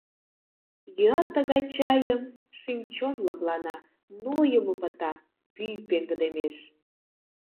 Йӱат тыгай чайым — шӱм-чон лыплана, нойымо пыта, пӱй пеҥгыдемеш.